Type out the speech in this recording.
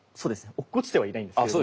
落っこちてはいないんですけれども。